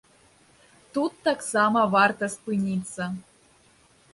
Тут таксама варта спыніцца.